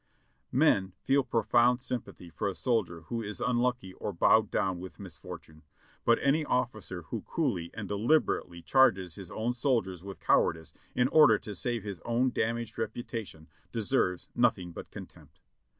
Men feel profound sympathy for a soldier who is unlucky or bowed down with misfortune, but any ofiicer who coolly and de liberately charges his own soldiers with cowardice in order to save his own damaged reputation deserves nothing but contempt.